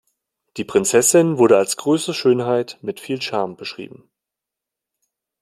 Die Prinzessin wurde als große Schönheit mit viel Charme beschrieben.